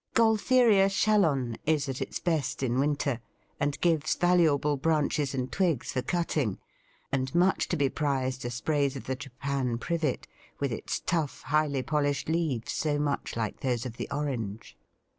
Gaultheria Shallon is at its best in winter, and gives valuable branches and twigs for cutting; and much to be prized are sprays of the Japan Privet, with its tough, highly polished leaves, so much like those of the orange.